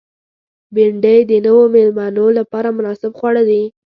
بېنډۍ د نوو مېلمنو لپاره مناسب خواړه دي